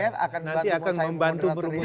nanti akan membantu berhubungan